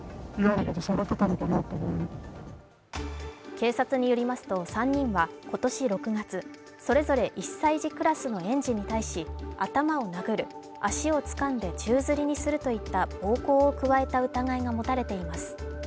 警察によりますと、３人は今年６月、それぞれ１歳児クラスの園児に対し頭を殴る、足をつかんで宙づりにするといった暴行を加えた疑いが持たれています。